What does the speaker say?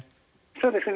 そうですね。